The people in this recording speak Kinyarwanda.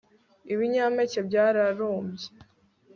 ibinyampeke byararumbye